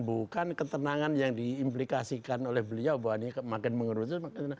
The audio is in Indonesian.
bukan ketenangan yang diimplikasikan oleh beliau bahwa ini makin mengerusak